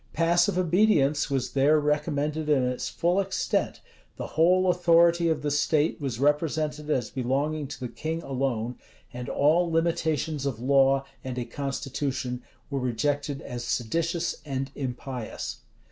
Passive obedience was there recommended in its full extent, the whole authority of the state was represented as belonging to the king alone, and all limitations of law and a constitution were rejected as seditious and impious.